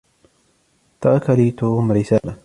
ترك لي توم رسالة.